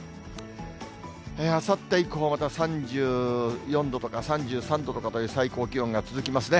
あさって以降、また３４度とか３３度とかという最高気温が続きますね。